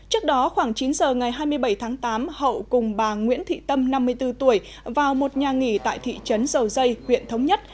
trước đó khoảng chín giờ ngày hai mươi bảy tháng tám hậu cùng bà nguyễn thị tâm năm mươi bốn tuổi vào một nhà nghỉ tại thị trấn dầu dây huyện thống nhất